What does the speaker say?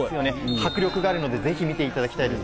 迫力があるのでぜひ見ていただきたいです。